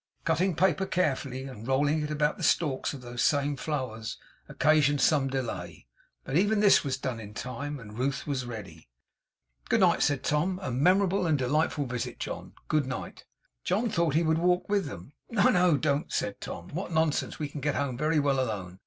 Cutting paper carefully, and rolling it about the stalks of those same flowers, occasioned some delay; but even this was done in time, and Ruth was ready. 'Good night!' said Tom. 'A memorable and delightful visit, John! Good night!' John thought he would walk with them. 'No, no. Don't!' said Tom. 'What nonsense! We can get home very well alone.